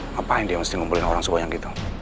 ngapain dia mesti ngumpulin orang semua yang gitu